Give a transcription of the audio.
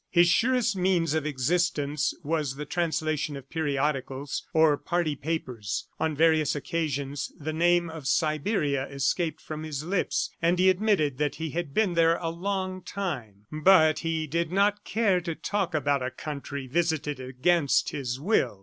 His surest means of existence was the translation of periodicals or party papers. On various occasions the name of Siberia escaped from his lips, and he admitted that he had been there a long time; but he did not care to talk about a country visited against his will.